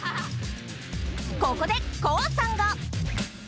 ここでＫＯＯさんが。